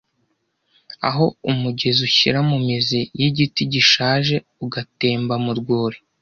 Aho umugezi ushyira mu mizi yigiti gishaje ugatemba mu rwuri,